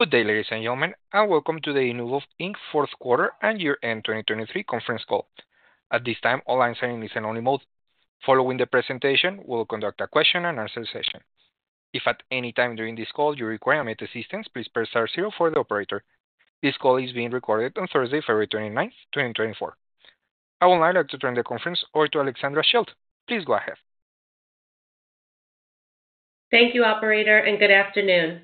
Good day, ladies and gentlemen, and welcome to the Inuvo, Inc. fourth quarter and year-end 2023 conference call. At this time, all lines are in listen-only mode. Following the presentation, we'll conduct a Q&A session. If at any time during this call you require any assistance, please press star zero for the operator. This call is being recorded on Thursday, February 29th, 2024. I would now like to turn the conference over to Alexandra Schilt. Please go ahead. Thank you, operator, and good afternoon.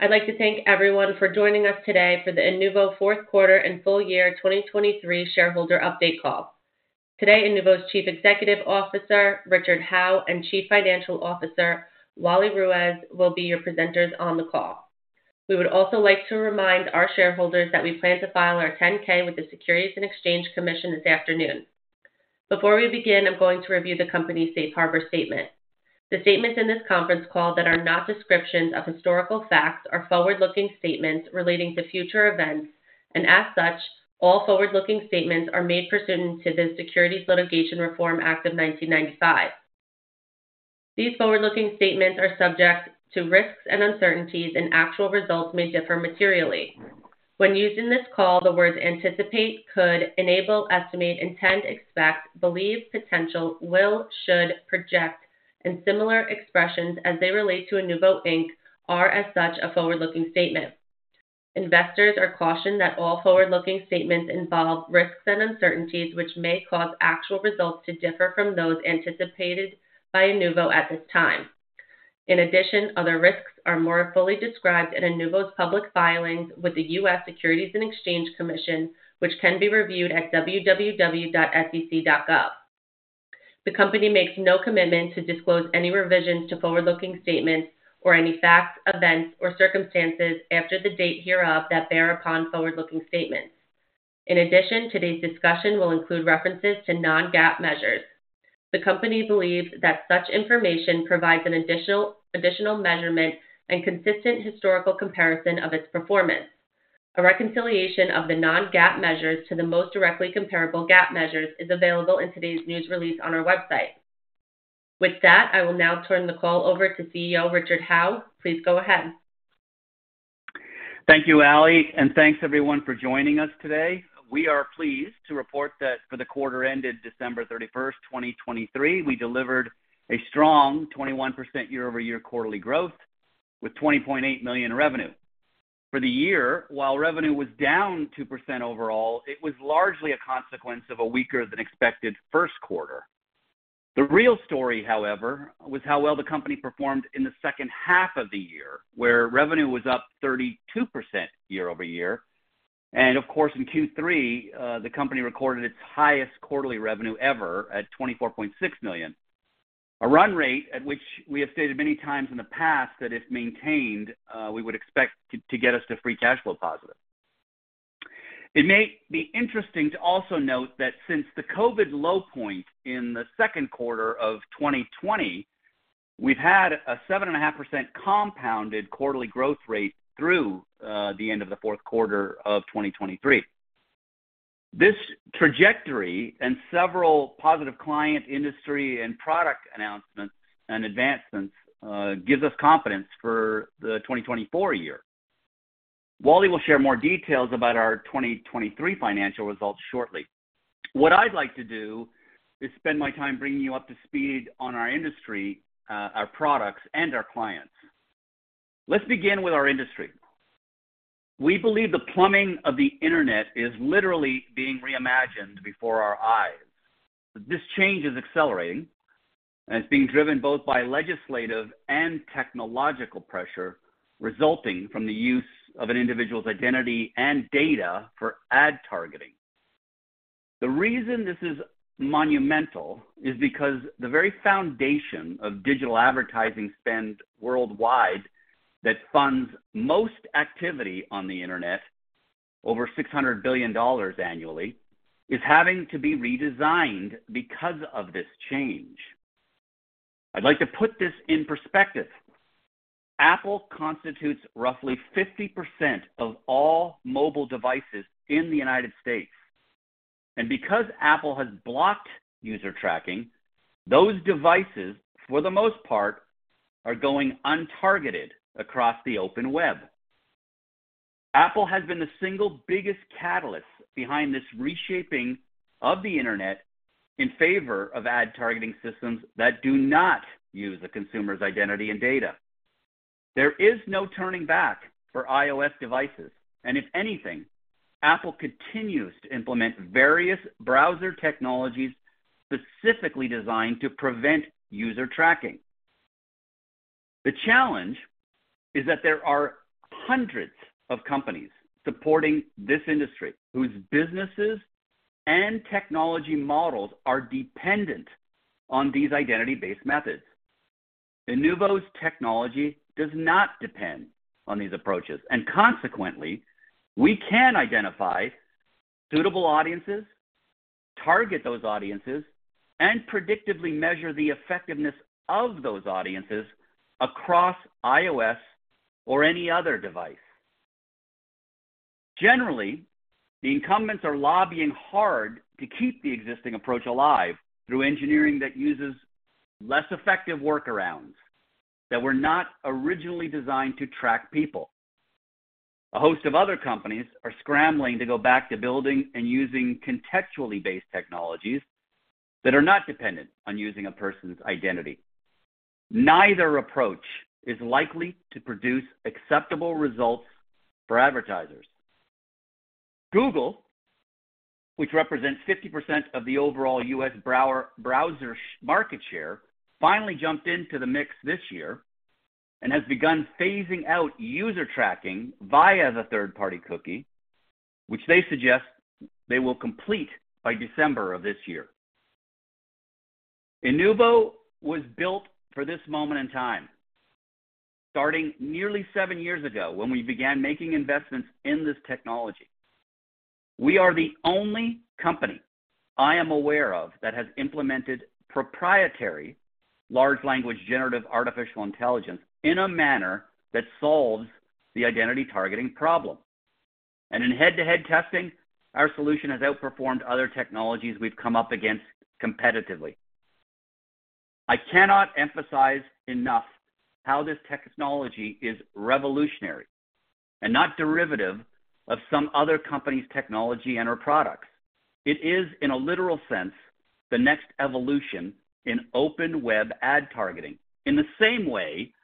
I'd like to thank everyone for joining us today for the Inuvo fourth quarter and full year 2023 shareholder update call. Today, Inuvo's Chief Executive Officer, Richard Howe, and Chief Financial Officer, Wally Ruiz, will be your presenters on the call. We would also like to remind our shareholders that we plan to file our 10-K with the Securities and Exchange Commission this afternoon. Before we begin, I'm going to review the company's safe harbor statement. The statements in this conference call that are not descriptions of historical facts are forward-looking statements relating to future events, and as such, all forward-looking statements are made pursuant to the Securities Litigation Reform Act of 1995. These forward-looking statements are subject to risks and uncertainties, and actual results may differ materially. When used in this call, the words anticipate, could, enable, estimate, intend, expect, believe, potential, will, should, project, and similar expressions as they relate to Inuvo, Inc. are as such, a forward-looking statement. Investors are cautioned that all forward-looking statements involve risks and uncertainties, which may cause actual results to differ from those anticipated by Inuvo, Inc. at this time. In addition, other risks are more fully described in Inuvo, Inc.'s public filings with the U.S. Securities and Exchange Commission, which can be reviewed at www.sec.gov. The company makes no commitment to disclose any revisions to forward-looking statements or any facts, events, or circumstances after the date hereof that bear upon forward-looking statements. In addition, today's discussion will include references to non-GAAP measures. The company believes that such information provides an additional measurement and consistent historical comparison of its performance. A reconciliation of the non-GAAP measures to the most directly comparable GAAP measures is available in today's news release on our website. With that, I will now turn the call over to CEO, Richard Howe. Please go ahead. Thank you, Ally, and thanks everyone for joining us today. We are pleased to report that for the quarter ended December 31, 2023, we delivered a strong 21% year-over-year quarterly growth with $20.8 million revenue. For the year, while revenue was down 2% overall, it was largely a consequence of a weaker than expected first quarter. The real story, however, was how well the company performed in the second half of the year, where revenue was up 32% year-over-year, and of course, in Q3, the company recorded its highest quarterly revenue ever at $24.6 million. A run rate at which we have stated many times in the past that if maintained, we would expect to get us to free cash flow positive. It may be interesting to also note that since the COVID low point in the second quarter of 2020, we've had a 7.5% compounded quarterly growth rate through the end of the fourth quarter of 2023. This trajectory and several positive client, industry, and product announcements and advancements gives us confidence for the 2024 year. Wally will share more details about our 2023 financial results shortly. What I'd like to do is spend my time bringing you up to speed on our industry, our products, and our clients. Let's begin with our industry. We believe the plumbing of the internet is literally being reimagined before our eyes. This change is accelerating, and it's being driven both by legislative and technological pressure resulting from the use of an individual's identity and data for ad targeting. The reason this is monumental is because the very foundation of digital advertising spend worldwide that funds most activity on the internet, over $600 billion annually, is having to be redesigned because of this change. I'd like to put this in perspective. Apple constitutes roughly 50% of all mobile devices in the United States, and because Apple has blocked user tracking, those devices, for the most part, are going untargeted across the open web. Apple has been the single biggest catalyst behind this reshaping of the internet in favor of ad targeting systems that do not use a consumer's identity and data. There is no turning back for iOS devices, and if anything, Apple continues to implement various browser technologies specifically designed to prevent user tracking. The challenge is that there are hundreds of companies supporting this industry whose businesses and technology models are dependent on these identity-based methods. Inuvo's technology does not depend on these approaches, and consequently, we can identify suitable audiences, target those audiences, and predictably measure the effectiveness of those audiences across iOS or any other device. Generally, the incumbents are lobbying hard to keep the existing approach alive through engineering that uses less effective workarounds that were not originally designed to track people. A host of other companies are scrambling to go back to building and using contextually-based technologies that are not dependent on using a person's identity. Neither approach is likely to produce acceptable results for advertisers. Google, which represents 50% of the overall U.S. browser market share, finally jumped into the mix this year and has begun phasing out user tracking via the third-party cookie, which they suggest they will complete by December of this year. Inuvo was built for this moment in time, starting nearly seven years ago when we began making investments in this technology. We are the only company I am aware of that has implemented proprietary large language generative artificial intelligence in a manner that solves the identity targeting problem. In head-to-head testing, our solution has outperformed other technologies we've come up against competitively. I cannot emphasize enough how this technology is revolutionary and not derivative of some other company's technology and/or product. It is, in a literal sense, the next evolution in open web ad targeting. In the same way,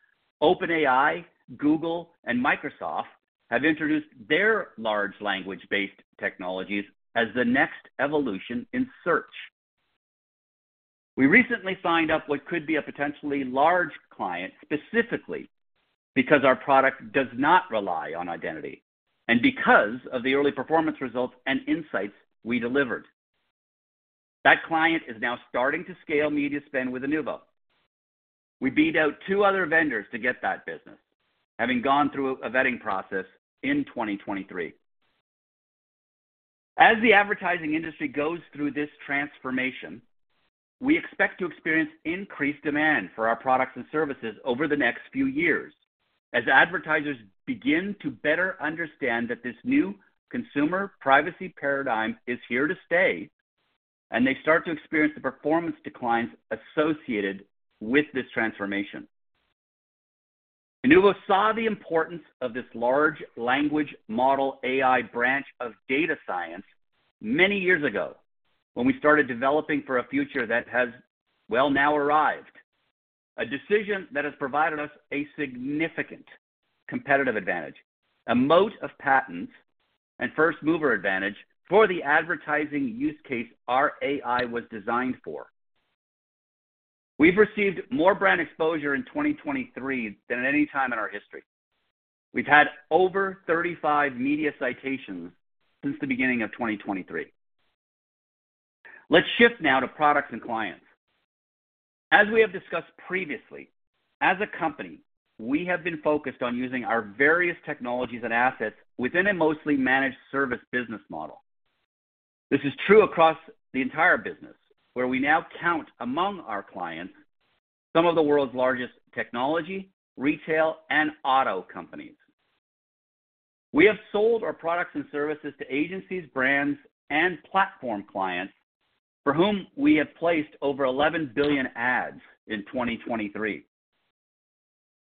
OpenAI, Google, and Microsoft have introduced their large language-based technologies as the next evolution in search. We recently signed up what could be a potentially large client, specifically because our product does not rely on identity and because of the early performance results and insights we delivered. That client is now starting to scale media spend with Inuvo. We beat out two other vendors to get that business, having gone through a vetting process in 2023. As the advertising industry goes through this transformation, we expect to experience increased demand for our products and services over the next few years as advertisers begin to better understand that this new consumer privacy paradigm is here to stay, and they start to experience the performance declines associated with this transformation. Inuvo saw the importance of this large language model AI branch of data science many years ago when we started developing for a future that has, well, now arrived. A decision that has provided us a significant competitive advantage, a moat of patents and first mover advantage for the advertising use case our AI was designed for. We've received more brand exposure in 2023 than at any time in our history. We've had over 35 media citations since the beginning of 2023. Let's shift now to products and clients. As we have discussed previously, as a company, we have been focused on using our various technologies and assets within a mostly managed service business model. This is true across the entire business, where we now count among our clients some of the world's largest technology, retail, and auto companies. We have sold our products and services to agencies, brands, and platform clients, for whom we have placed over 11 billion ads in 2023.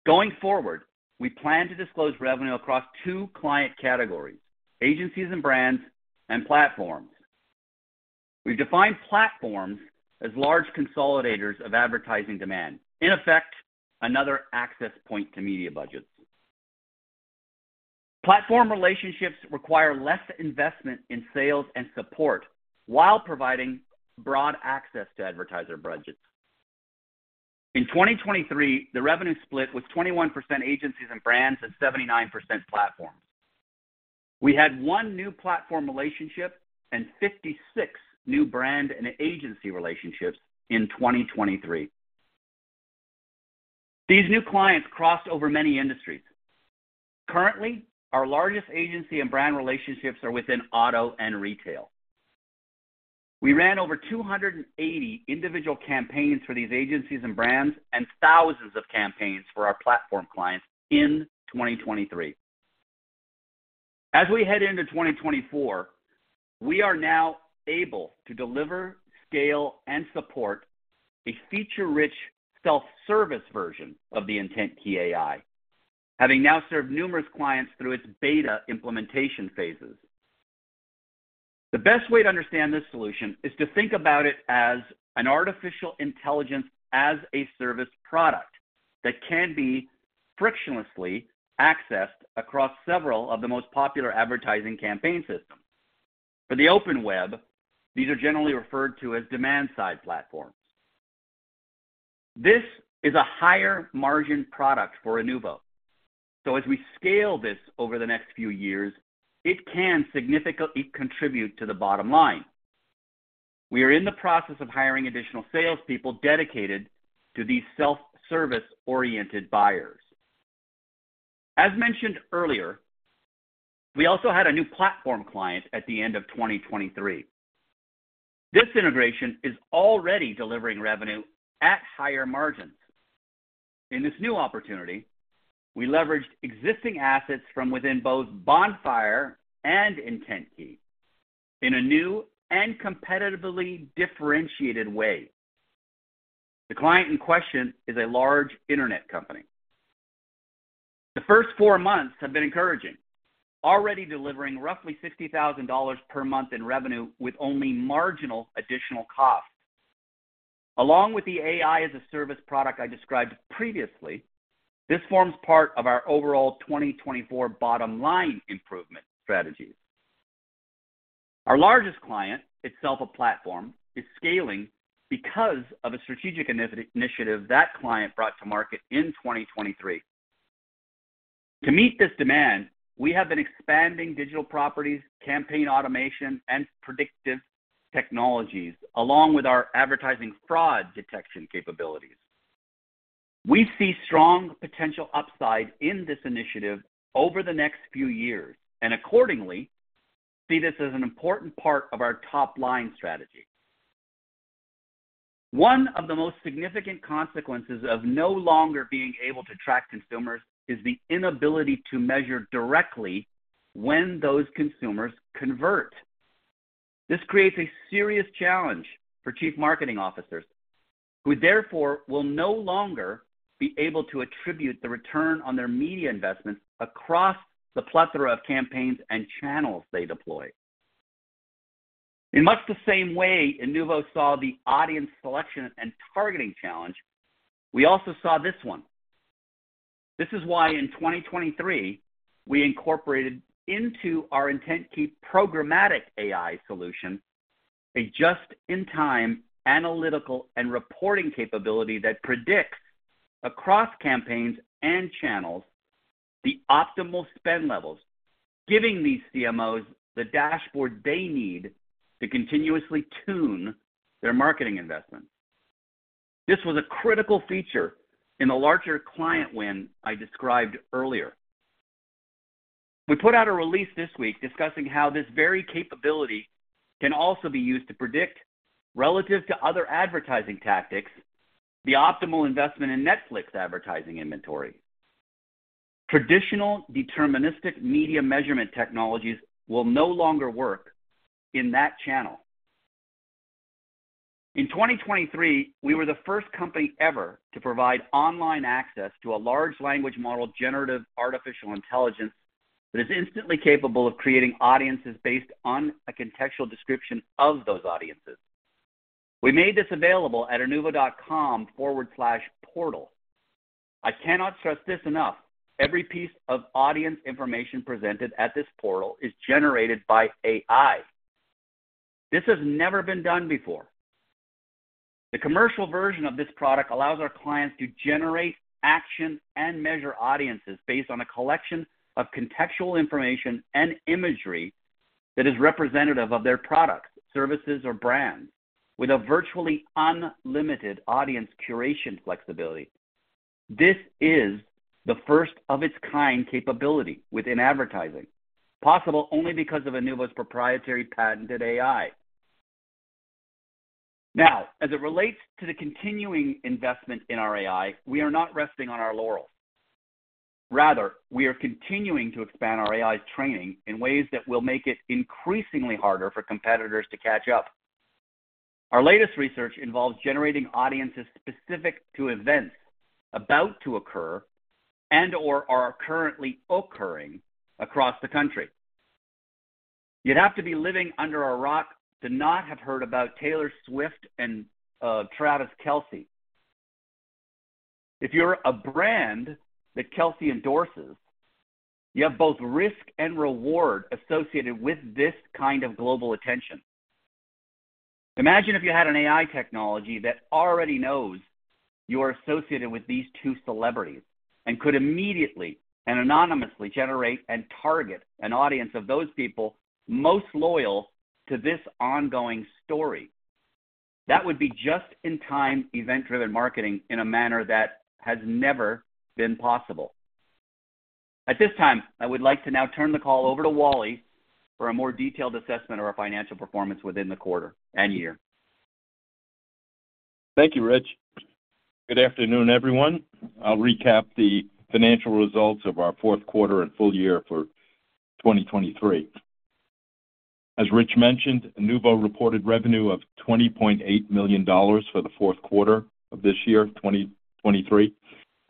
Going forward, we plan to disclose revenue across 2 client categories: agencies and brands, and platforms. We've defined platforms as large consolidators of advertising demand. In effect, another access point to media budgets. Platform relationships require less investment in sales and support while providing broad access to advertiser budgets. In 2023, the revenue split was 21% agencies and brands, and 79% platforms. We had 1 new platform relationship and 56 new brand and agency relationships in 2023. These new clients crossed over many industries. Currently, our largest agency and brand relationships are within auto and retail. We ran over 280 individual campaigns for these agencies and brands, and thousands of campaigns for our platform clients in 2023. As we head into 2024, we are now able to deliver, scale, and support a feature-rich self-service version of the IntentKey AI, having now served numerous clients through its beta implementation phases. The best way to understand this solution is to think about it as an artificial intelligence, as a service product that can be frictionlessly accessed across several of the most popular advertising campaign systems. For the open web, these are generally referred to as demand-side platforms. This is a higher-margin product for Inuvo, so as we scale this over the next few years, it can significantly contribute to the bottom line. We are in the process of hiring additional salespeople dedicated to these self-service-oriented buyers. As mentioned earlier, we also had a new platform client at the end of 2023. This integration is already delivering revenue at higher margins. In this new opportunity, we leveraged existing assets from within both Bonfire and IntentKey in a new and competitively differentiated way. The client in question is a large internet company. The first four months have been encouraging, already delivering roughly $60,000 per month in revenue with only marginal additional costs. Along with the AI as a Service product, I described previously, this forms part of our overall 2024 bottom line improvement strategy. Our largest client, itself a platform, is scaling because of a strategic initiative that client brought to market in 2023. To meet this demand, we have been expanding digital properties, campaign automation, and predictive technologies, along with our advertising fraud detection capabilities. We see strong potential upside in this initiative over the next few years, and accordingly, see this as an important part of our top-line strategy. One of the most significant consequences of no longer being able to track consumers is the inability to measure directly when those consumers convert. This creates a serious challenge for Chief Marketing Officers, who therefore will no longer be able to attribute the return on their media investments across the plethora of campaigns and channels they deploy. In much the same way Inuvo saw the audience selection and targeting challenge, we also saw this one. This is why in 2023, we incorporated into our IntentKey programmatic AI solution, a just-in-time analytical and reporting capability that predicts, across campaigns and channels, the optimal spend levels, giving these CMOs the dashboard they need to continuously tune their marketing investments. This was a critical feature in the larger client win I described earlier. We put out a release this week discussing how this very capability can also be used to predict, relative to other advertising tactics, the optimal investment in Netflix advertising inventory. Traditional deterministic media measurement technologies will no longer work in that channel. In 2023, we were the first company ever to provide online access to a large language model, generative artificial intelligence, that is instantly capable of creating audiences based on a contextual description of those audiences. We made this available at inuvo.com/portal. I cannot stress this enough: Every piece of audience information presented at this portal is generated by AI. This has never been done before. The commercial version of this product allows our clients to generate, action, and measure audiences based on a collection of contextual information and imagery that is representative of their products, services, or brands, with a virtually unlimited audience curation flexibility. This is the first-of-its-kind capability within advertising, possible only because of Inuvo's proprietary patented AI. Now, as it relates to the continuing investment in our AI, we are not resting on our laurels. Rather, we are continuing to expand our AI's training in ways that will make it increasingly harder for competitors to catch up. Our latest research involves generating audiences specific to events about to occur and/or are currently occurring across the country. You'd have to be living under a rock to not have heard about Taylor Swift and Travis Kelce. If you're a brand that Kelce endorses, you have both risk and reward associated with this kind of global attention. Imagine if you had an AI technology that already knows you are associated with these two celebrities and could immediately and anonymously generate and target an audience of those people most loyal to this ongoing story. That would be just-in-time, event-driven marketing in a manner that has never been possible. At this time, I would like to now turn the call over to Wally for a more detailed assessment of our financial performance within the quarter and year. Thank you, Rich. Good afternoon, everyone. I'll recap the financial results of our fourth quarter and full year for 2023. As Rich mentioned, Inuvo reported revenue of $20.8 million for the fourth quarter of this year, 2023,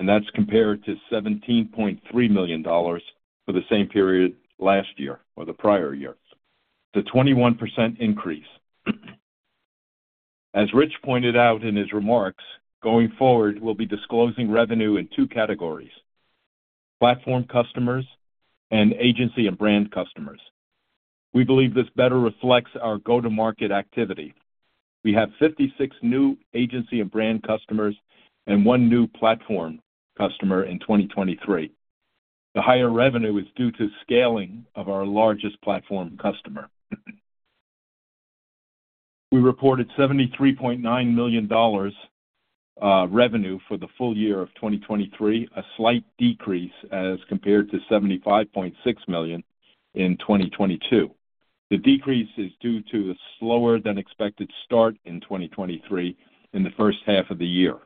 and that's compared to $17.3 million for the same period last year or the prior year, it's a 21% increase. As Rich pointed out in his remarks, going forward, we'll be disclosing revenue in two categories: platform customers and agency and brand customers. We believe this better reflects our go-to-market activity. We have 56 new agency and brand customers and one new platform customer in 2023. The higher revenue is due to scaling of our largest platform customer. We reported $73.9 million revenue for the full year of 2023, a slight decrease as compared to $75.6 million in 2022. The decrease is due to the slower than expected start in 2023 in the first half of the year.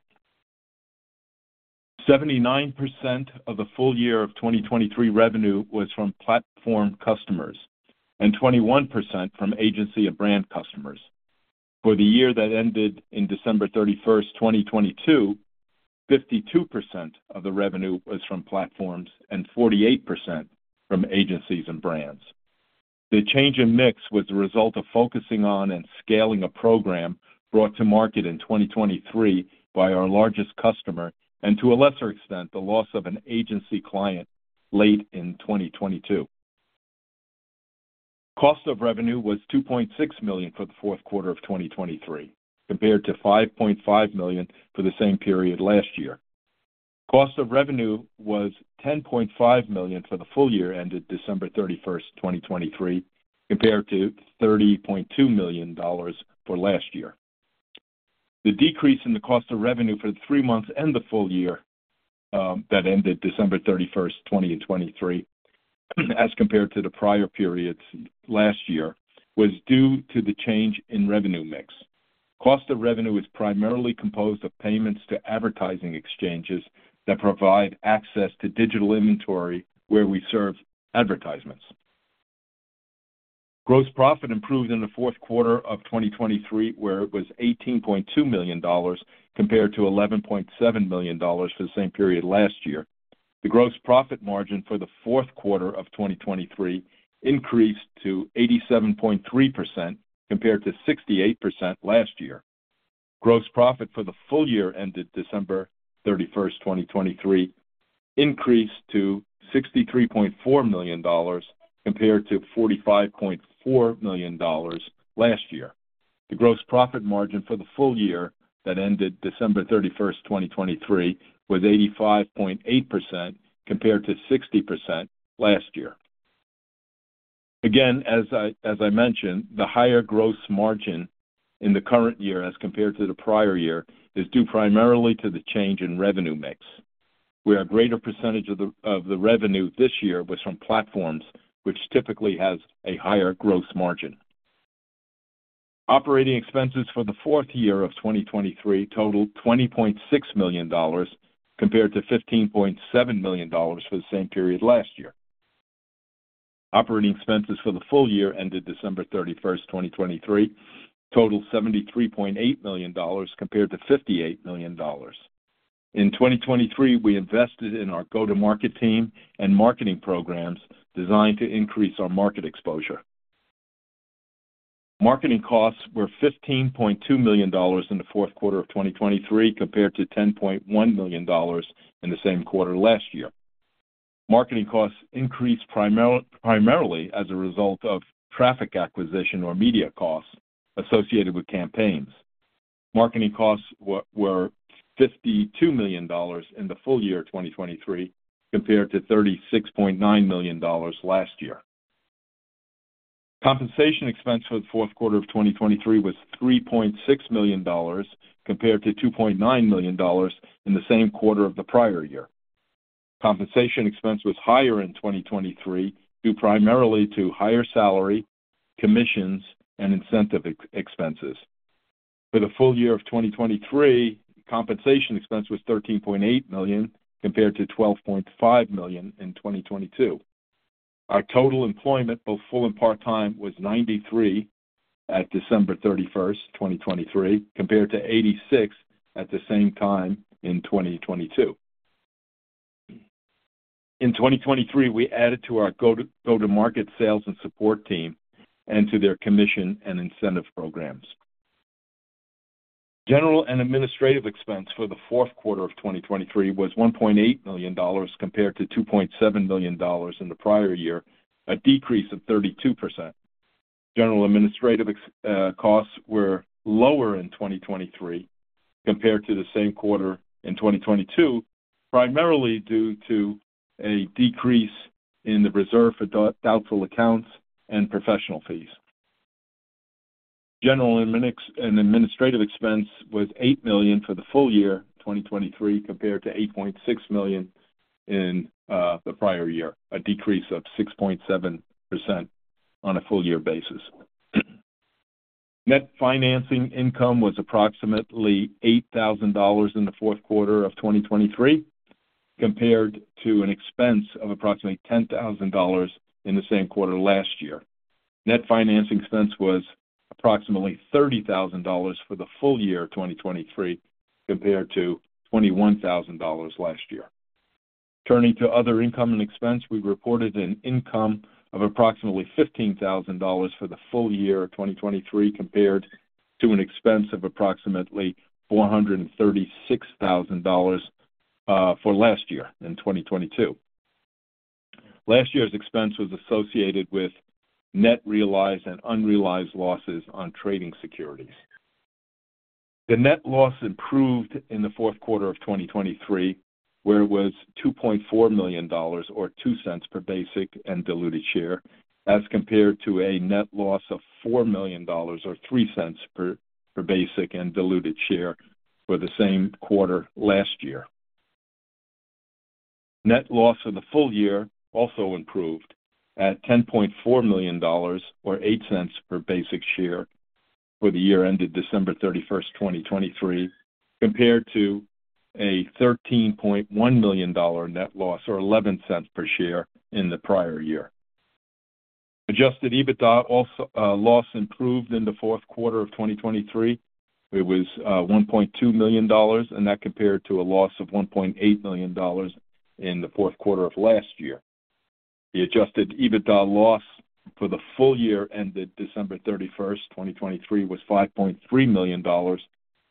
79% of the full year of 2023 revenue was from platform customers and 21% from agency and brand customers. For the year that ended in December 31, 2022, 52% of the revenue was from platforms and 48% from agencies and brands. The change in mix was the result of focusing on and scaling a program brought to market in 2023 by our largest customer and to a lesser extent, the loss of an agency client late in 2022. Cost of revenue was $2.6 million for the fourth quarter of 2023, compared to $5.5 million for the same period last year. Cost of revenue was $10.5 million for the full year ended December 31, 2023, compared to $30.2 million for last year. The decrease in the cost of revenue for the three months and the full year that ended December 31, 2023, as compared to the prior periods last year, was due to the change in revenue mix. Cost of revenue is primarily composed of payments to advertising exchanges that provide access to digital inventory where we serve advertisements. Gross profit improved in the fourth quarter of 2023, where it was $18.2 million, compared to $11.7 million for the same period last year. The gross profit margin for the fourth quarter of 2023 increased to 87.3%, compared to 68% last year. Gross profit for the full year ended December 31, 2023, increased to $63.4 million, compared to $45.4 million last year. The gross profit margin for the full year that ended December 31, 2023, was 85.8%, compared to 60% last year. Again, as I, as I mentioned, the higher gross margin in the current year as compared to the prior year, is due primarily to the change in revenue mix, where a greater percentage of the, of the revenue this year was from platforms which typically has a higher gross margin. Operating expenses for the fourth quarter of 2023 totaled $20.6 million, compared to $15.7 million for the same period last year. Operating expenses for the full year ended December 31, 2023, totaled $73.8 million, compared to $58 million. In 2023, we invested in our go-to-market team and marketing programs designed to increase our market exposure. Marketing costs were $15.2 million in the fourth quarter of 2023, compared to $10.1 million in the same quarter last year. Marketing costs increased primarily as a result of traffic acquisition or media costs associated with campaigns. Marketing costs were $52 million in the full year of 2023, compared to $36.9 million last year. Compensation expense for the fourth quarter of 2023 was $3.6 million, compared to $2.9 million in the same quarter of the prior year. Compensation expense was higher in 2023, due primarily to higher salary, commissions, and incentive expenses. For the full year of 2023, compensation expense was $13.8 million, compared to $12.5 million in 2022. Our total employment, both full and part-time, was 93 at December 31, 2023, compared to 86 at the same time in 2022. In 2023, we added to our go-to-market sales and support team and to their commission and incentive programs. General and administrative expense for the fourth quarter of 2023 was $1.8 million, compared to $2.7 million in the prior year, a decrease of 32%. General administrative costs were lower in 2023 compared to the same quarter in 2022, primarily due to a decrease in the reserve for doubtful accounts and professional fees. General administrative expense was $8 million for the full year, 2023, compared to $8.6 million in the prior year, a decrease of 6.7% on a full year basis. Net financing income was approximately $8,000 in the fourth quarter of 2023, compared to an expense of approximately $10,000 in the same quarter last year. Net financing expense was approximately $30,000 for the full year of 2023, compared to $21,000 last year. Turning to other income and expense, we reported an income of approximately $15,000 for the full year of 2023, compared to an expense of approximately $436,000 for last year in 2022. Last year's expense was associated with net realized and unrealized losses on trading securities. The net loss improved in the fourth quarter of 2023, where it was $2.4 million or $0.02 per basic and diluted share, as compared to a net loss of $4 million or $0.03 per basic and diluted share for the same quarter last year. Net loss for the full year also improved at $10.4 million or $0.08 per basic share for the year ended December 31, 2023, compared to a $13.1 million net loss, or $0.11 per share in the prior year. Adjusted EBITDA also loss improved in the fourth quarter of 2023. It was $1.2 million, and that compared to a loss of $1.8 million in the fourth quarter of last year. The adjusted EBITDA loss for the full year ended December 31, 2023, was $5.3 million,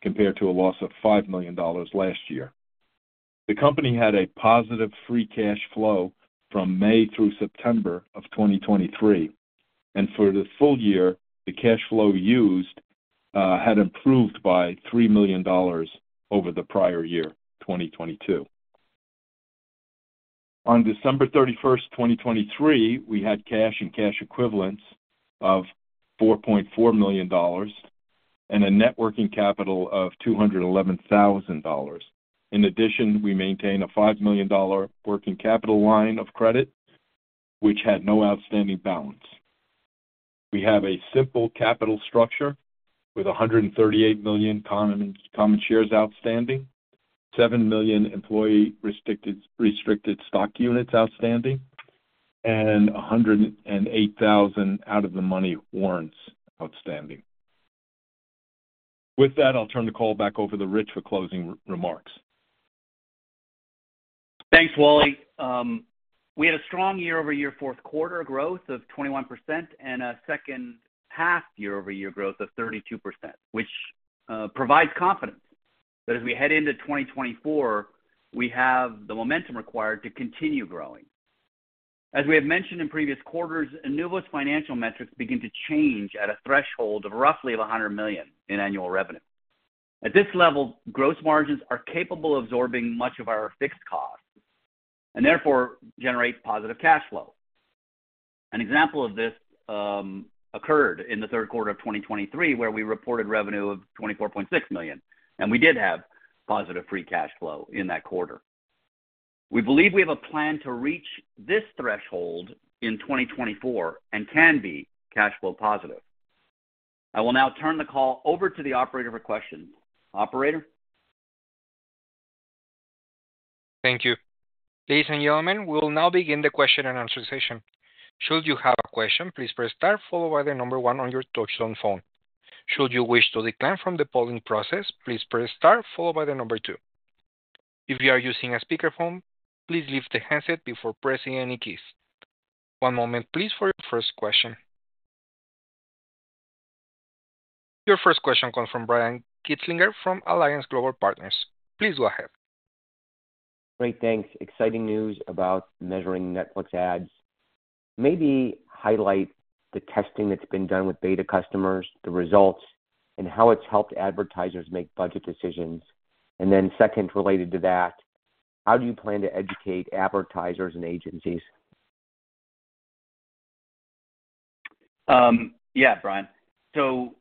compared to a loss of $5 million last year. The company had a positive free cash flow from May through September of 2023, and for the full year, the cash flow used had improved by $3 million over the prior year, 2022. On December 31, 2023, we had cash and cash equivalents of $4.4 million and a net working capital of $211,000. In addition, we maintain a $5 million working capital line of credit, which had no outstanding balance. We have a simple capital structure with 138 million common shares outstanding, seven million employee restricted stock units outstanding, and 108,000 out-of-the-money warrants outstanding. With that, I'll turn the call back over to Rich for closing remarks. Thanks, Wally. We had a strong year-over-year fourth quarter growth of 21% and a second half year-over-year growth of 32%, which provides confidence that as we head into 2024, we have the momentum required to continue growing. As we have mentioned in previous quarters, Inuvo's financial metrics begin to change at a threshold of roughly $100 million in annual revenue. At this level, gross margins are capable of absorbing much of our fixed costs and therefore generate positive cash flow. An example of this occurred in the third quarter of 2023, where we reported revenue of $24.6 million, and we did have positive free cash flow in that quarter. We believe we have a plan to reach this threshold in 2024 and can be cash flow positive. I will now turn the call over to the operator for questions. Operator? Thank you. Ladies and gentlemen, we will now begin the Q&A session. Should you have a question, please press star followed by the number one on your touch-tone phone. Should you wish to decline from the polling process, please press star followed by the number two. If you are using a speakerphone, please leave the handset before pressing any keys. One moment, please, for your first question. Your first question comes from Brian Kinstlinger from Alliance Global Partners. Please go ahead. Great, thanks. Exciting news about measuring Netflix ads. Maybe highlight the testing that's been done with beta customers, the results, and how it's helped advertisers make budget decisions. And then second, related to that, how do you plan to educate advertisers and agencies? Yeah, Brian. So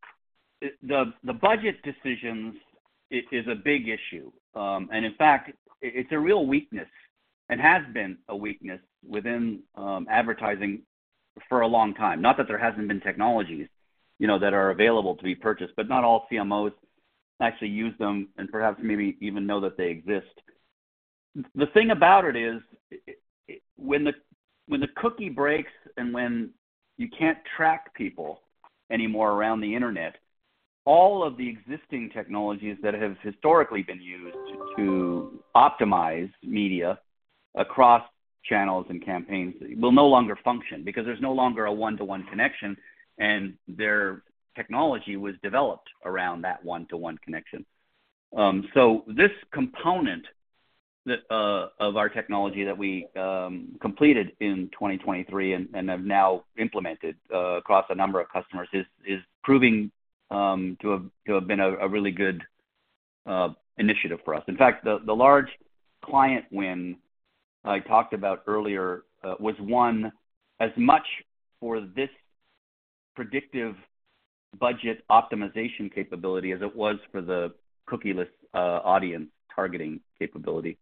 the budget decisions is a big issue. And in fact, it's a real weakness and has been a weakness within advertising for a long time. Not that there hasn't been technologies, you know, that are available to be purchased, but not all CMOs actually use them and perhaps maybe even know that they exist. The thing about it is, when the cookie breaks and when you can't track people anymore around the internet, all of the existing technologies that have historically been used to optimize media across channels and campaigns will no longer function, because there's no longer a one-to-one connection, and their technology was developed around that one-to-one connection. So this component that of our technology that we completed in 2023 and have now implemented across a number of customers is proving to have been a really good initiative for us. In fact, the large client win I talked about earlier was one as much for this predictive budget optimization capability as it was for the cookieless audience targeting capability.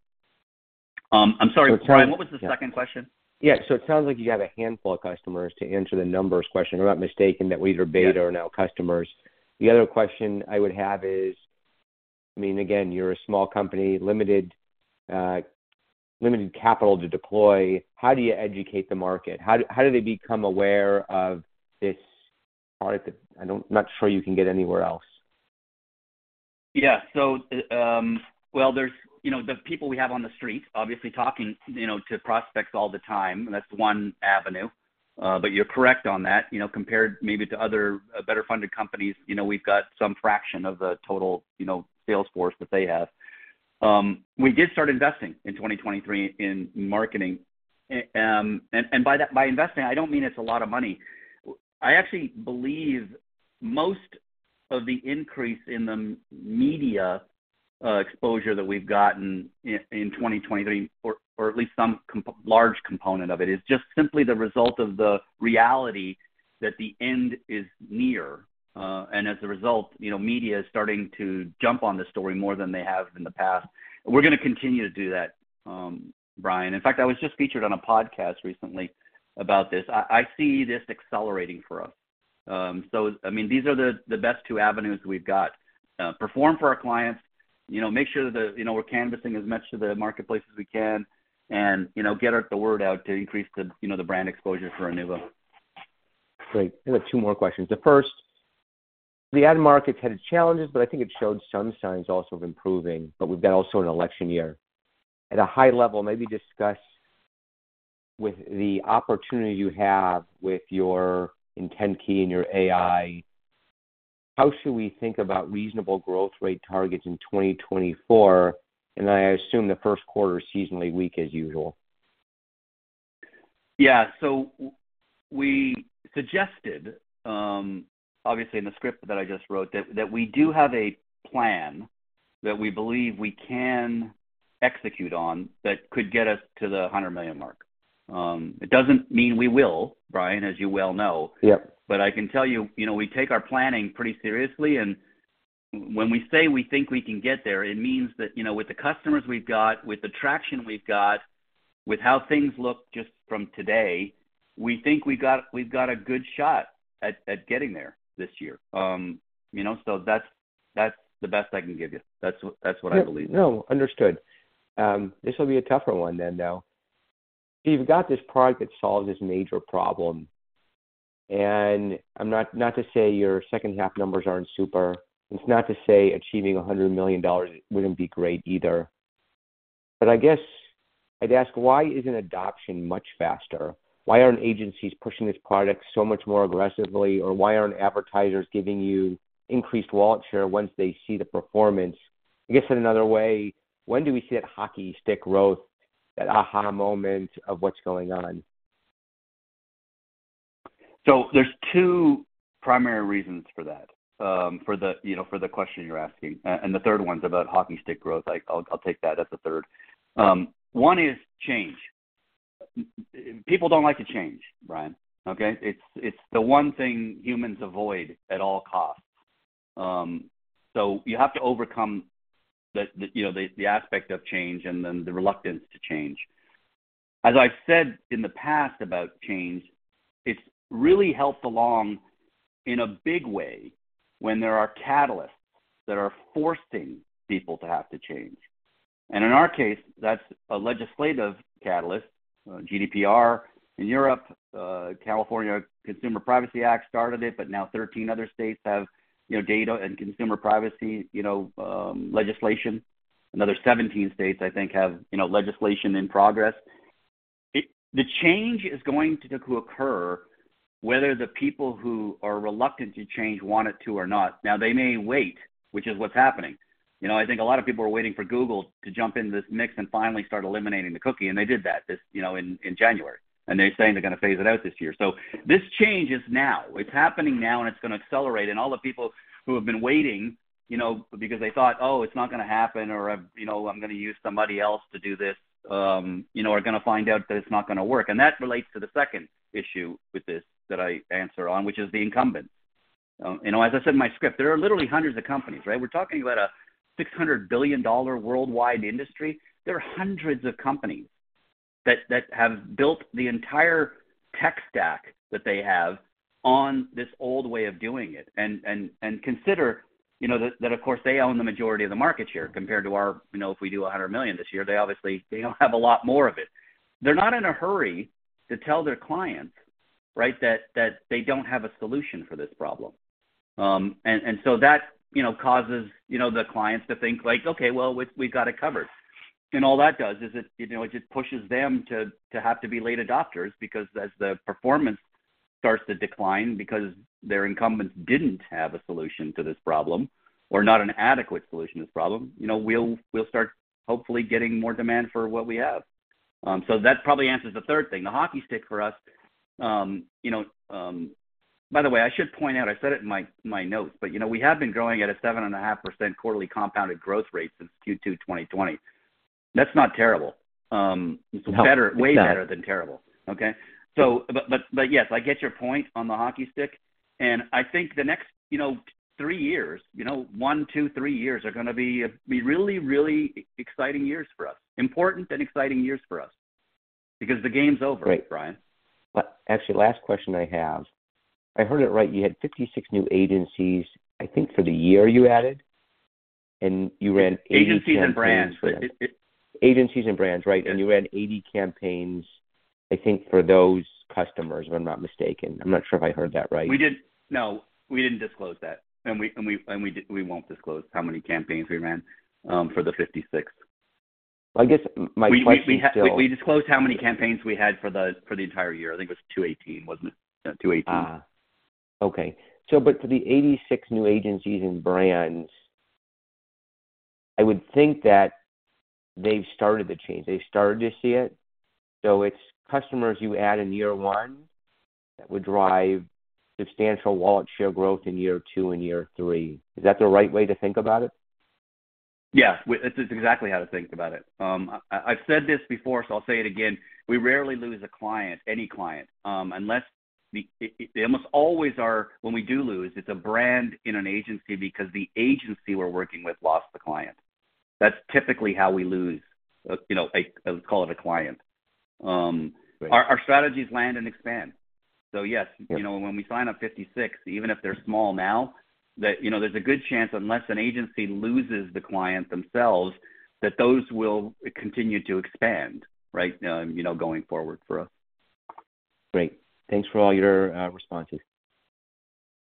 I'm sorry, Brian, what was the second question? Yeah. So it sounds like you have a handful of customers, to answer the numbers question. I'm not mistaken, that were either beta or now customers. The other question I would have is, I mean, again, you're a small company, limited, limited capital to deploy. How do you educate the market? How do they become aware of this product that I'm not sure you can get anywhere else? Yeah. So, well, there's, you know, the people we have on the street, obviously talking, you know, to prospects all the time, and that's one avenue. But you're correct on that. You know, compared maybe to other better-funded companies, you know, we've got some fraction of the total, you know, sales force that they have. We did start investing in 2023 in marketing, and by that, by investing, I don't mean it's a lot of money. I actually believe most of the increase in the media exposure that we've gotten in 2023, or at least some large component of it, is just simply the result of the reality that the end is near. And as a result, you know, media is starting to jump on the story more than they have in the past. We're gonna continue to do that, Brian. In fact, I was just featured on a podcast recently about this. I see this accelerating for us. So I mean, these are the best two avenues we've got. Perform for our clients, you know, make sure that we're canvassing as much to the marketplace as we can and, you know, get the word out to increase the brand exposure for Inuvo. Great. I have two more questions. The first, the ad market's had its challenges, but I think it showed some signs also of improving, but we've got also an election year. At a high level, maybe discuss with the opportunity you have with your IntentKey and your AI, how should we think about reasonable growth rate targets in 2024? And I assume the first quarter is seasonally weak as usual. Yeah. So we suggested, obviously, in the script that I just wrote, that, that we do have a plan that we believe we can execute on, that could get us to the $100 million mark. It doesn't mean we will, Brian, as you well know. Yep. I can tell you, you know, we take our planning pretty seriously, and when we say we think we can get there, it means that, you know, with the customers we've got, with the traction we've got, with how things look just from today, we think we've got a good shot at getting there this year. You know, so that's the best I can give you. That's what I believe in. No, understood. This will be a tougher one then, though. You've got this product that solves this major problem, and I'm not- not to say your second half numbers aren't super. It's not to say achieving $100 million wouldn't be great either, but I guess I'd ask, why isn't adoption much faster? Why aren't agencies pushing this product so much more aggressively? Or why aren't advertisers giving you increased wallet share once they see the performance? I guess in another way, when do we see that hockey stick growth, that aha! moment of what's going on? So there's two primary reasons for that, for the, you know, for the question you're asking. And the third one's about hockey stick growth. I'll take that as the third. One is change. People don't like to change, Brian, okay? It's the one thing humans avoid at all costs. So you have to overcome the, you know, the aspect of change and then the reluctance to change. As I've said in the past about change, it's really helped along in a big way when there are catalysts that are forcing people to have to change. And in our case, that's a legislative catalyst, GDPR in Europe, California Consumer Privacy Act started it, but now 13 other states have, you know, data and consumer privacy, you know, legislation. Another 17 states, I think, have, you know, legislation in progress. The change is going to occur whether the people who are reluctant to change want it to or not. Now, they may wait, which is what's happening. You know, I think a lot of people are waiting for Google to jump in this mix and finally start eliminating the cookie, and they did that, you know, in January. And they're saying they're gonna phase it out this year. So this change is now. It's happening now, and it's gonna accelerate. And all the people who have been waiting, you know, because they thought, "Oh, it's not gonna happen," or, you know, "I'm gonna use somebody else to do this," you know, are gonna find out that it's not gonna work. And that relates to the second issue with this that I answer on, which is the incumbents. You know, as I said in my script, there are literally hundreds of companies, right? We're talking about a $600 billion worldwide industry. There are hundreds of companies that have built the entire tech stack that they have on this old way of doing it. Consider, you know, that of course, they own the majority of the market share compared to our... You know, if we do $100 million this year, they obviously don't have a lot more of it. They're not in a hurry to tell their clients, right, that they don't have a solution for this problem. And so that, you know, causes, you know, the clients to think like, "Okay, well, we've got it covered." And all that does is it, you know, it just pushes them to have to be late adopters, because as the performance starts to decline, because their incumbents didn't have a solution to this problem or not an adequate solution to this problem, you know, we'll start hopefully getting more demand for what we have. So that probably answers the third thing, the hockey stick for us. You know, by the way, I should point out, I said it in my notes, but, you know, we have been growing at a 7.5% quarterly compounded growth rate since Q2 2020. That's not terrible. It's better- It's not. Way better than terrible, okay? So but, but, but yes, I get your point on the hockey stick, and I think the next, you know, three years, you know, one, two, three years are gonna be really, really exciting years for us. Important and exciting years for us, because the game's over- Great. -Brian. But actually, last question I have. I heard it right, you had 56 new agencies, I think, for the year you added, and you ran 80- Agencies and brands. But it- Agencies and brands, right? Yes. You ran 80 campaigns, I think, for those customers, if I'm not mistaken. I'm not sure if I heard that right. We didn't. No, we didn't disclose that, and we won't disclose how many campaigns we ran for the 56. I guess my question still- We disclosed how many campaigns we had for the entire year. I think it was 218, wasn't it? Yeah, 218. Ah, okay. So, but for the 86 new agencies and brands, I would think that they've started the change, they've started to see it. So, it's customers you add in year one that would drive substantial wallet share growth in year two and year three. Is that the right way to think about it? Yes, that's exactly how to think about it. I've said this before, so I'll say it again: We rarely lose a client, any client, unless they almost always are, when we do lose, it's a brand in an agency because the agency, we're working with lost the client. That's typically how we lose, you know, let's call it a client. Right. Our strategies land and expand. So yes- Yep. You know, when we sign up 56, even if they're small now, that, you know, there's a good chance, unless an agency loses the client themselves, that those will continue to expand, right, you know, going forward for us. Great. Thanks for all your responses.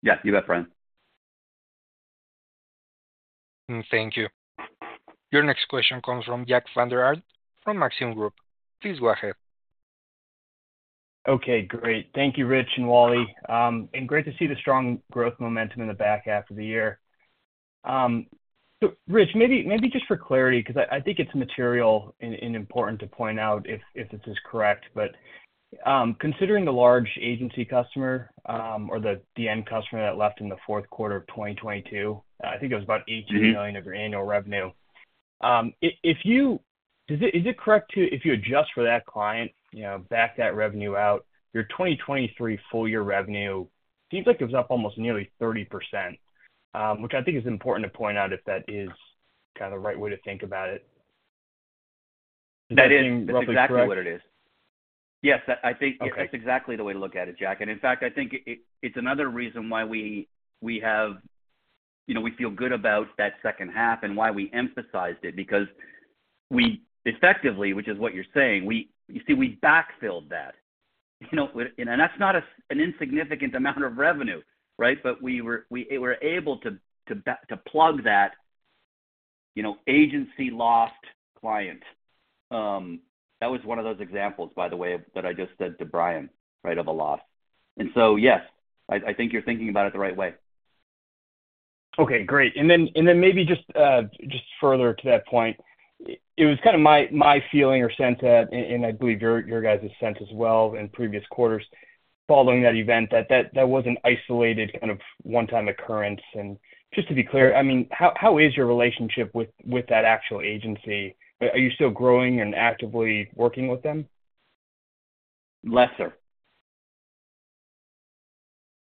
Yeah. You bet, Brian. Thank you. Your next question comes from Jack Vander Aarde from Maxim Group. Please go ahead. Okay, great. Thank you, Rich and Wally. And great to see the strong growth momentum in the back half of the year. So Rich, maybe just for clarity, because I think it's material and important to point out if this is correct, but considering the large agency customer, or the end customer that left in the fourth quarter of 2022, I think it was about $18 million- Mm-hmm -of your annual revenue. If you do it, is it correct to, if you adjust for that client, you know, back that revenue out, your 2023 full year revenue seems like it was up almost nearly 30%, which I think is important to point out if that is kind of the right way to think about it. Does that seem roughly correct? That is exactly what it is. Yes, I think- Okay That's exactly the way to look at it, Jack. And in fact, I think it's another reason why we have, you know, we feel good about that second half and why we emphasized it, because we effectively, which is what you're saying, you see, we backfilled that, you know? And that's not an insignificant amount of revenue, right? But we were able to plug that, you know, agency lost client. That was one of those examples, by the way, that I just said to Brian, right, of a loss. And so, yes, I think you're thinking about it the right way. Okay, great. And then maybe just further to that point, it was kind of my feeling or sense that, and I believe your guys' sense as well in previous quarters, following that event, that that was an isolated, kind of, one-time occurrence. And just to be clear, I mean, how is your relationship with that actual agency? Are you still growing and actively working with them? Lesser.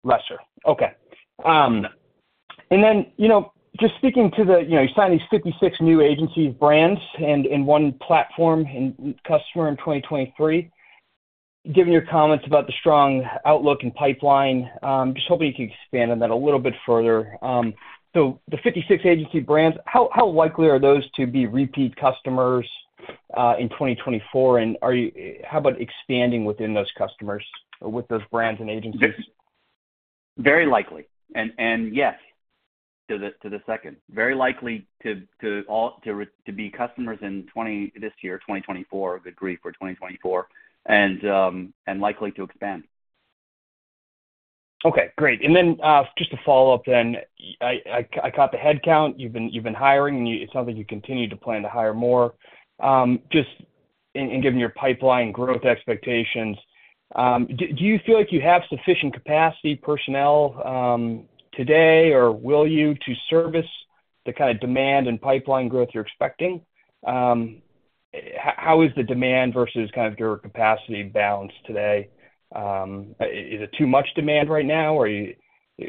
Lesser. Okay. And then, you know, just sticking to the, you know, you signed these 56 new agency brands and one platform and customer in 2023. Given your comments about the strong outlook and pipeline, just hoping you could expand on that a little bit further. So, the 56 agency brands, how likely are those to be repeat customers in 2024? And are you how about expanding within those customers, or with those brands and agencies? Very likely, and yes, to the second. Very likely to all to be customers in 2024, this year. Good grief, we're 2024. And likely to expand. Okay, great. And then, just to follow up then, I caught the headcount. You've been hiring, and it sounds like you continue to plan to hire more. Just, and given your pipeline growth expectations, do you feel like you have sufficient capacity personnel today, or will you to service the kind of demand and pipeline growth you're expecting? How is the demand versus kind of your capacity balance today? Is it too much demand right now, or are you...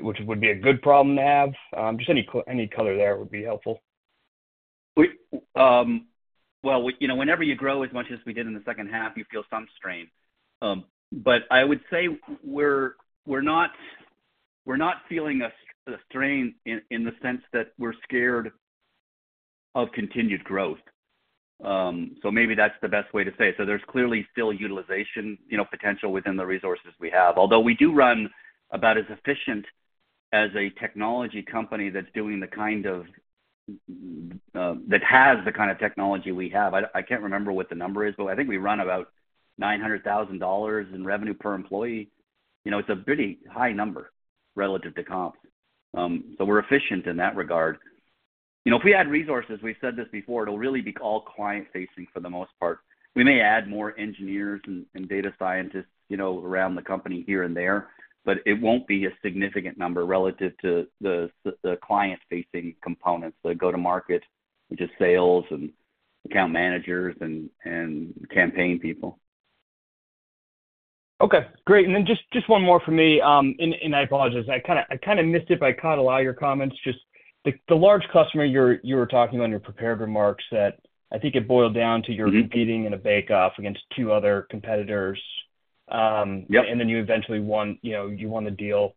Which would be a good problem to have. Just any color there would be helpful. Well, you know, whenever you grow as much as we did in the second half, you feel some strain. But I would say we're not feeling a strain in the sense that we're scared of continued growth. So maybe that's the best way to say it. So there's clearly still utilization, you know, potential within the resources we have, although we do run about as efficient as a technology company that's doing the kind of that has the kind of technology we have. I can't remember what the number is, but I think we run about $900,000 in revenue per employee. You know, it's a pretty high number relative to comps. So we're efficient in that regard. You know, if we add resources, we've said this before, it'll really be all client-facing for the most part. We may add more engineers and data scientists, you know, around the company here and there, but it won't be a significant number relative to the client-facing components, the go-to-market, which is sales and account managers and campaign people. Okay, great. And then just one more for me. And I apologize. I kind of missed it, but I caught a lot of your comments. Just the large customer you were talking on your prepared remarks that I think it boiled down to you- Mm-hmm -competing in a bake-off against two other competitors. Yep. And then you eventually won, you know, you won the deal.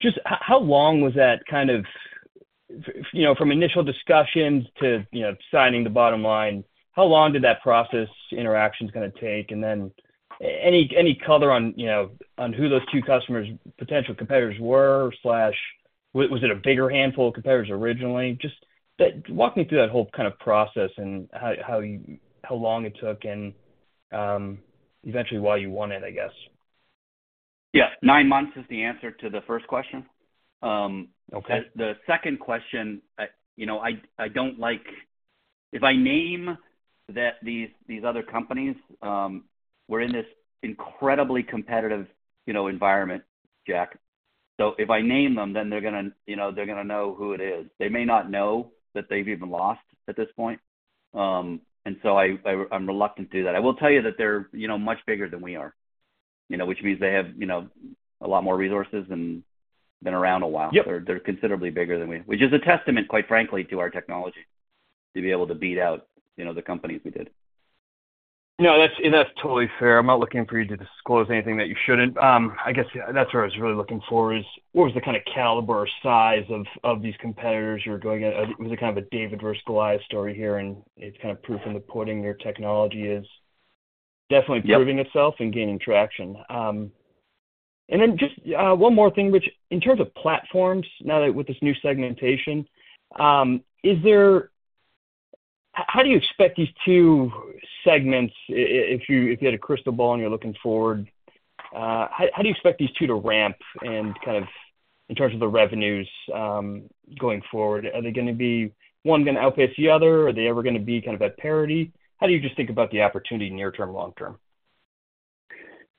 Just how long was that kind of, you know, from initial discussions to, you know, signing the bottom line, how long did that process interaction kind of take? And then any, any color on, you know, on who those two customers, potential competitors were, slash, was it a bigger handful of competitors originally? Just that, walk me through that whole kind of process and how, how you, how long it took and, eventually why you won it, I guess. Yeah, nine months is the answer to the first question. Okay. The second question, you know, I don't like if I name that, these other companies. We're in this incredibly competitive, you know, environment, Jack. So, if I name them, then they're gonna, you know, know who it is. They may not know that they've even lost at this point, and so I'm reluctant to do that. I will tell you that they're, you know, much bigger than we are, you know, which means they have, you know, a lot more resources and been around a while. Yep. They're considerably bigger than we, which is a testament, quite frankly, to our technology, to be able to beat out, you know, the companies we did. No, that's, and that's totally fair. I'm not looking for you to disclose anything that you shouldn't. I guess that's what I was really looking for, is what was the kind of caliber or size of, of these competitors you were going against? Was it kind of a David versus Goliath story here? And it's kind of proof in the pudding; your technology is definitely- Yep -proving itself and gaining traction. And then just, one more thing, which in terms of platforms, now that with this new segmentation, how do you expect these two segments, if you had a crystal ball and you're looking forward, how do you expect these two to ramp and kind of in terms of the revenues, going forward? Are they gonna be, one gonna outpace the other? Are they ever gonna be kind of at parity? How do you just think about the opportunity near term, long term?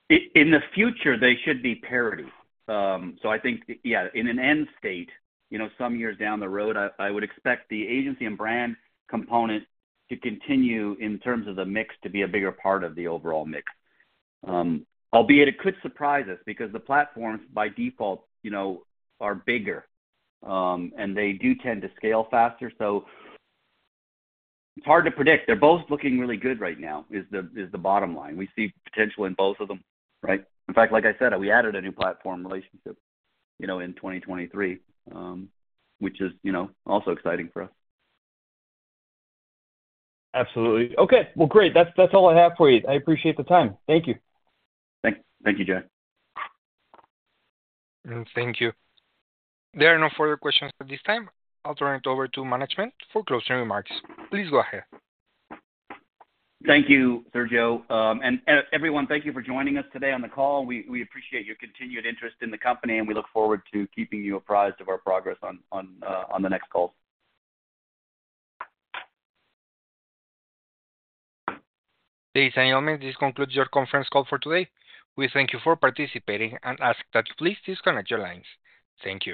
In the future, they should be parity. So, I think, yeah, in an end state, you know, some years down the road, I would expect the agency and brand component to continue in terms of the mix, to be a bigger part of the overall mix. Albeit it could surprise us, because the platforms by default, you know, are bigger, and they do tend to scale faster, so it's hard to predict. They're both looking really good right now, is the bottom line. We see potential in both of them, right? In fact, like I said, we added a new platform relationship, you know, in 2023, which is, you know, also exciting for us. Absolutely. Okay, well, great! That's, that's all I have for you. I appreciate the time. Thank you. Thank you, Jack. Thank you. There are no further questions at this time. I'll turn it over to management for closing remarks. Please go ahead. Thank you, Sergio. And everyone, thank you for joining us today on the call. We appreciate your continued interest in the company, and we look forward to keeping you apprised of our progress on the next call. Ladies and gentlemen, this concludes your conference call for today. We thank you for participating and ask that you please disconnect your lines. Thank you.